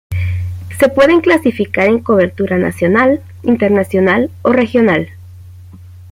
Se pueden clasificar en cobertura nacional, internacional o regional.